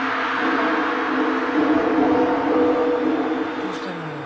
どうしたのよ。